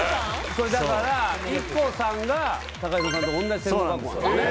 これだからＩＫＫＯさんがＴＡＫＡＨＩＲＯさんと同じ専門学校そうなんですよ